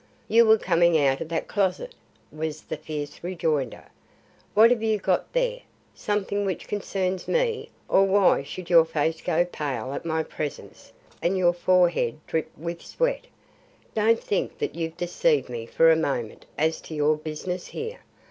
"You were coming out of that closet," was the fierce rejoinder. "What have you got there? Something which concerns me, or why should your face go pale at my presence and your forehead drip with sweat? Don't think that you've deceived me for a moment as to your business here.